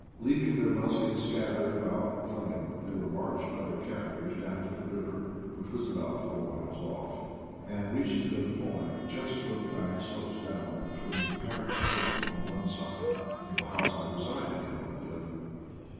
Leaving their muskets scattered about the plain, they were marched by their captors down to the river, which was about four miles off, and reached it at a point just where the bank slopes down between the Parrot's Cliff on one side, and the house I resided in on the other.